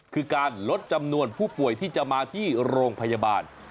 คือการลดจำนวนผู้ป่วยที่จะมาที่โรงพยาบาล